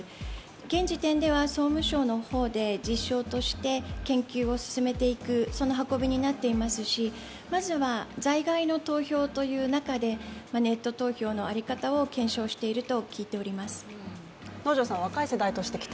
現時点では総務省で実証として研究を進めていくその運びになっていますしまずは在外の投票ということでネット投票の在り方を検証していると聞いています。